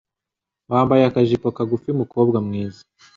wambaye akajipo kagufi mukobwa mwiza